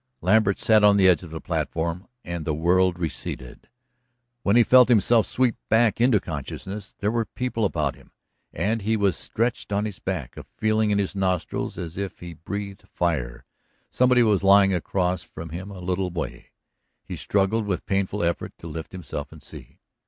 Lambert sat on the edge of the platform, and the world receded. When he felt himself sweep back to consciousness there were people about him, and he was stretched on his back, a feeling in his nostrils as if he breathed fire. Somebody was lying across from him a little way; he struggled with painful effort to lift himself and see.